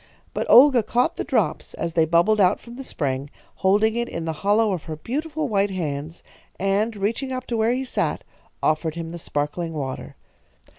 But Olga caught the drops as they bubbled out from the spring, holding it in the hollow of her beautiful white hands, and, reaching up to where he sat, offered him the sparkling water.